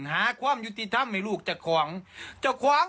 หาความยุติธรรมให้ลูกเขาจะของ